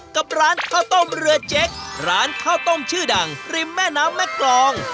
กับร้านข้าวต้มเรือเจ๊กร้านข้าวต้มชื่อดังริมแม่น้ำแม่กรอง